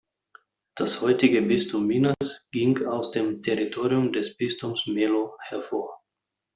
Das heutige Bistum Minas ging aus dem Territorium des Bistums Melo hervor.